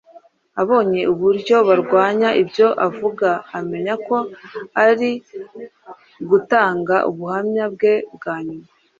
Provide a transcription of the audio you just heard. Abonye uburyo barwanya ibyo avuga amenya ko ari gutanga ubuhamya bwe bwa nyuma